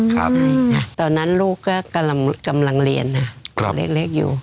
เก็บไว้ตอนนั้นลูกก็กำลังเรียนเล็กอยู่